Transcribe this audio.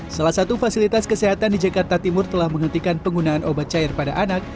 salah satu fasilitas kesehatan di jakarta timur telah menghentikan penggunaan obat cair pada anak